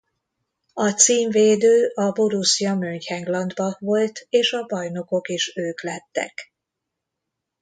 A címvédő a Borussia Mönchengladbach volt és a bajnokok is ők lettek.